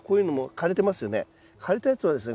枯れたやつはですね